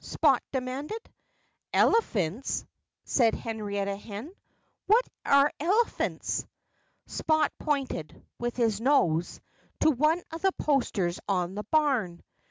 Spot demanded. "Elephants?" said Henrietta Hen. "What are elephants?" Spot pointed with his nose to one of the posters on the barn.